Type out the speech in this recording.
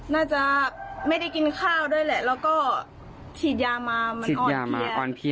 น่าจะไม่ได้กินข้าวด้วยแหละแล้วก็ฉีดยามามันอ่อนยามา